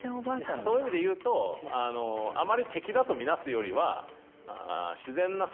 そういう意味でいうとあまり敵だと見なすよりは。